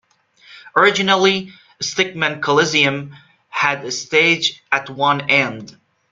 Originally, Stegeman Coliseum had a stage at one end.